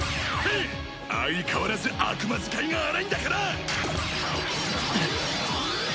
相変わらず悪魔使いが荒いんだから！